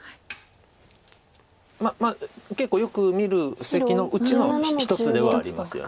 まあ結構よく見る布石のうちの一つではありますよね。